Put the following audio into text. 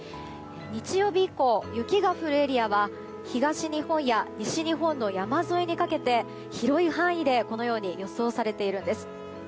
日曜日以降、雪が降るエリアは東日本や西日本の山沿いにかけて広い範囲でこのように予想されているんです。